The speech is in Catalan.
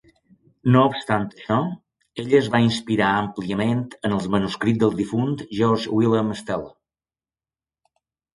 No obstant això, ell es va inspirar àmpliament en els manuscrits del difunt Georg Wilhelm Steller